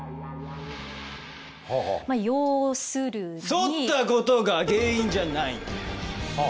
そったことが原因じゃないんだよ。